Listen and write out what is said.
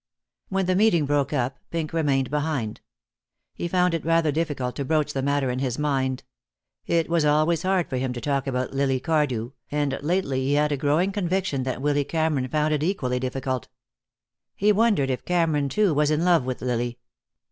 When the meeting broke up Pink remained behind. He found it rather difficult to broach the matter in his mind. It was always hard for him to talk about Lily Cardew, and lately he had had a growing conviction that Willy Cameron found it equally difficult. He wondered if Cameron, too, was in love with Lily.